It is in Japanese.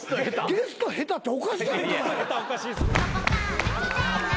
ゲスト下手っておかしな言葉。